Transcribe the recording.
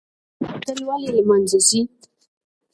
باطل ولې له منځه ځي؟